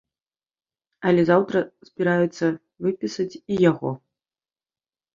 Але заўтра збіраюцца выпісаць і яго.